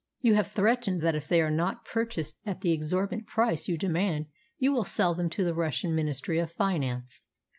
You have threatened that if they are not purchased at the exorbitant price you demand you will sell them to the Russian Ministry of Finance.